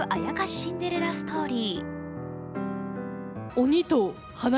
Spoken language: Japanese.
シンデレラストーリー。